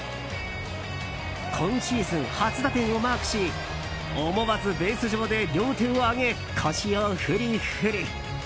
今シーズン初打点をマークし思わずベース上で両手を上げ腰をふりふり。